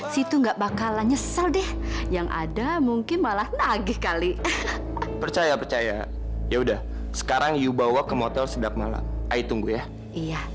sampai jumpa di video selanjutnya